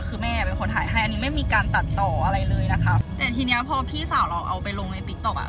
คือแม่เป็นคนถ่ายให้อันนี้ไม่มีการตัดต่ออะไรเลยนะคะแต่ทีเนี้ยพอพี่สาวเราเอาไปลงในติ๊กต๊ะอ่ะ